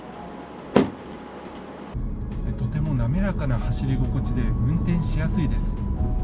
とても滑かな走り心地で運転しやすいです。